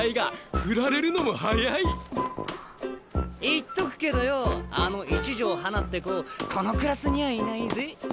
言っとくけどようあの一条花って子このクラスにはいないぜ。